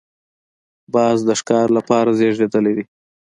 باز د ښکار لپاره زېږېدلی دی